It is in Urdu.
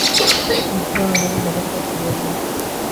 امتحانوں میں نقل کا تصور نہیں۔